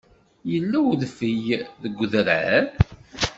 Yella udfel deg udrar?